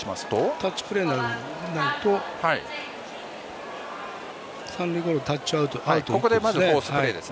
タッチプレーになると三塁ゴロタッチアウトですね。